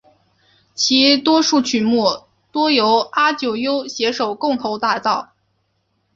其多数曲目多由阿久悠携手共同打造。